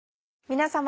皆様。